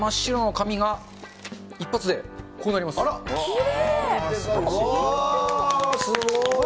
すごい。